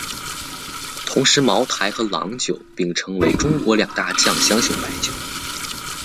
同时茅台和郎酒并称为中国两大酱香型白酒。